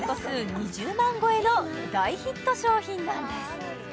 ２０万超えの大ヒット商品なんです